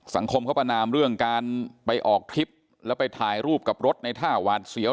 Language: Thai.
สังคมเขาประนามเรื่องการไปออกทริปแล้วไปถ่ายรูปกับรถในท่าหวาดเสียว